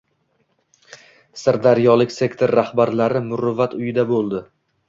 Sirdaryolik sektor rahbarlari “Muruvvat uyi”da bo‘ldi